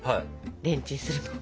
レンチンするの。